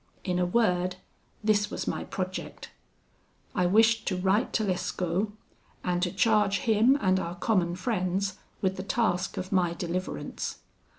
In a word, this was my project: I wished to write to Lescaut, and to charge him and our common friends with the task of my deliverance.